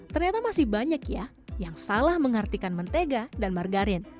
ternyata masih banyak ya yang salah mengartikan mentega dan margarin